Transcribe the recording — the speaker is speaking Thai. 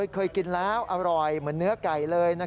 เคยกินแล้วอร่อยเหมือนเนื้อไก่เลย